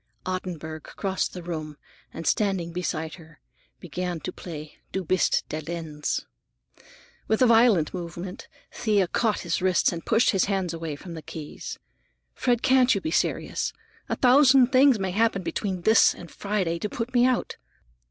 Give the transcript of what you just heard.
Ottenburg crossed the room and standing beside her began to play "Du bist der Lenz." With a violent movement Thea caught his wrists and pushed his hands away from the keys. "Fred, can't you be serious? A thousand things may happen between this and Friday to put me out.